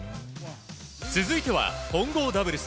続いては混合ダブルス。